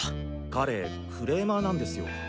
彼クレーマーなんですよ。